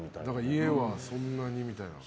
家はそんなにみたいな。